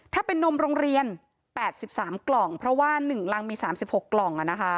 ถ้าเป็นนมโรงเรียน๘๓กล่องเพราะว่า๑รังมี๓๖กล่อง